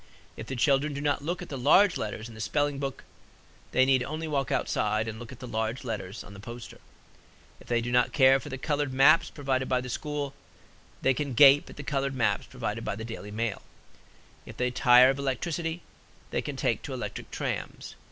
If the children do not look at the large letters in the spelling book, they need only walk outside and look at the large letters on the poster. If they do not care for the colored maps provided by the school, they can gape at the colored maps provided by the Daily Mail. If they tire of electricity, they can take to electric trams.